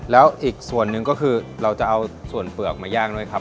แล้วอีกส่วนหนึ่งก็คือเราจะเอาส่วนเปลือกมาย่างด้วยครับ